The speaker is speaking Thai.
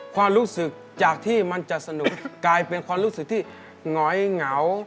ความรู้สึกจากที่มันจะสนุกกลายเป็นความรู้สึกที่หงอยเหงา